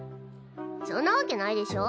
そんなわけないでしょ。